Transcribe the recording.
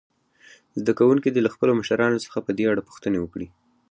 زده کوونکي دې له خپلو مشرانو څخه په دې اړه پوښتنې وکړي.